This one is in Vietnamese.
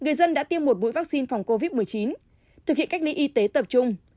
người dân đã tiêm một mũi vaccine phòng covid một mươi chín thực hiện cách ly y tế tập trung